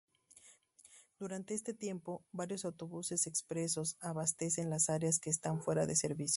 Durante este tiempo, varios autobuses expresos abastecen las áreas que están fuera de servicio.